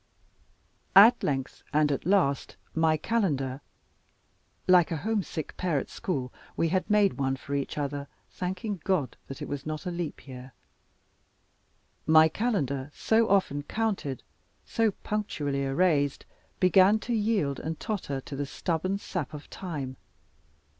At length and at last my calendar like a homesick pair at school, we had made one for each other, thanking God that it was not a leap year my calendar so often counted, so punctually erased, began to yield and totter to the stubborn sap of time.